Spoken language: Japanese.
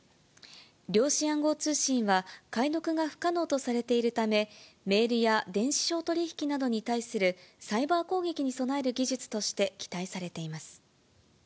量子暗号通信は解読が不可能とされているため、メールや電子商取引などに対するサイバー攻撃に備える技術として期待されています。